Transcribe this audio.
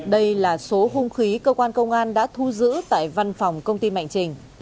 đây là số hung khí cơ quan công an đã thu giữ tại văn phòng công ty mạnh trình